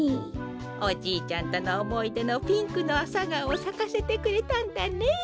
おじいちゃんとのおもいでのピンクのアサガオをさかせてくれたんだね。